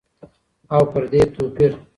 او پر دې توپير.